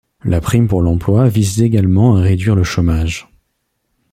La Prime pour l'emploi vise également à réduire le chômage.